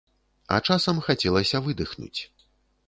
А часам хацелася выдыхнуць.